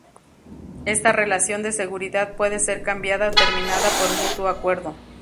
Esta relación de seguridad puede ser cambiada o terminada por mutuo acuerdo.